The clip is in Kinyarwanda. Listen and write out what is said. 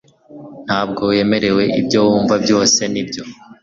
Ntabwo wemera ibyo wumva byose nibyo